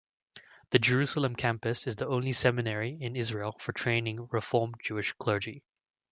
The Jerusalem campus is the only seminary in Israel for training Reform Jewish clergy.